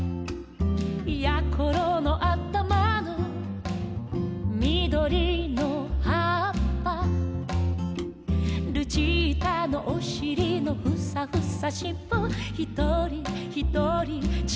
「やころのあたまのみどりのはっぱ」「ルチータのおしりのふさふさしっぽ」「ひとりひとりちがうもの」